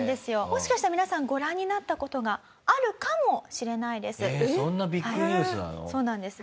もしかしたら皆さんご覧になった事があるかもしれないです。そうなんです。